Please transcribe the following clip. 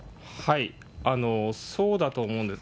そうだと思うんです。